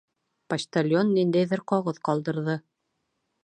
Почтальон ниндәйҙер ҡағыҙ ҡалдырҙы!